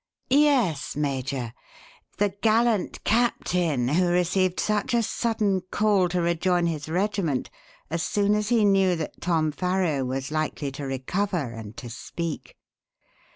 "Yes, Major the gallant captain who received such a sudden call to rejoin his regiment as soon as he knew that Tom Farrow was likely to recover and to speak.